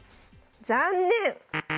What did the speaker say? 残念！